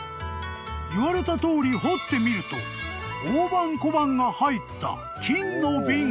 ［言われたとおり掘ってみると大判小判が入った金の瓶が］